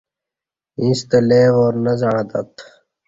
ییݩستہ لئی وار نہ زعݩتت